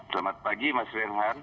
selamat pagi mas rian han